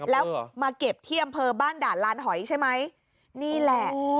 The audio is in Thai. แล้วมาเก็บที่อำเภอบ้านด่านลานหอยใช่ไหมนี่แหละ